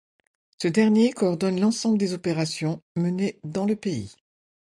Ce dernier coordonne l’ensemble des opérations menées dans le pays.